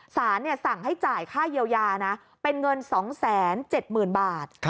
สารสั่งให้จ่ายค่าเยียวยานะเป็นเงิน๒๗๐๐๐บาท